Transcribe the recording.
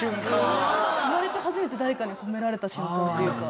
すごい！生まれて初めて誰かに褒められた瞬間というか。